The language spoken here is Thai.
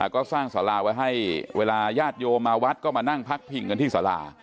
ก็สร้างสาราไว้ให้เวลาญาติโยมมาวัดก็มานั่งพักผิงกันที่สารา